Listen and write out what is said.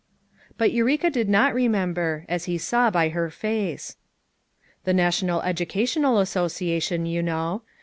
But Eureka did not remember, as he saw by her face. "The National Educational Association, you know.